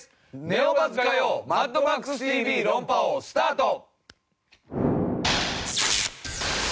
ネオバズ火曜『マッドマックスＴＶ論破王』スタート！